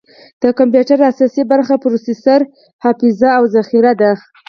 د کمپیوټر اساسي برخې پروسیسر، حافظه، او ذخیره ده.